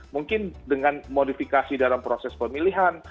mungkin dengan modifikasi dalam proses pemilihan